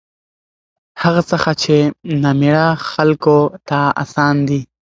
هغه څخه چې نامېړه خلکو ته اسان دي